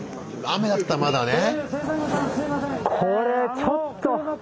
雨だったらまだね。